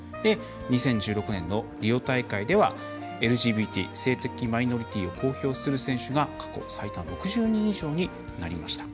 ２０１６年のリオ大会ではＬＧＢＴ性的マイノリティーを公表する選手が過去最多６０人以上になりました。